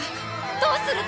どうするの？